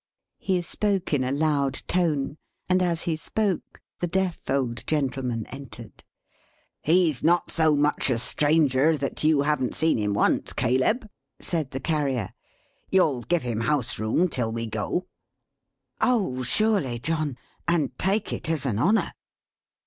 He spoke in a loud tone; and as he spoke, the deaf old gentleman entered. "He's not so much a stranger, that you haven't seen him once, Caleb," said the Carrier. "You'll give him house room till we go?" "Oh surely John; and take it as an honour."